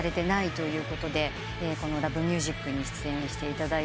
この『Ｌｏｖｅｍｕｓｉｃ』に出演していただいて。